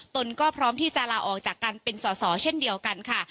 นก็พร้อมที่จะลาออกจากการเป็นสอสอเช่นเดียวกันค่ะ